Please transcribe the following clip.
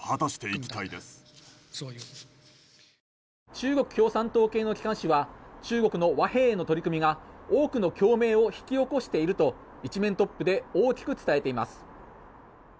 中国共産党系の機関紙は中国の和平への取り組みが多くの共鳴を引き起こしていると１面トップで大きく伝えています。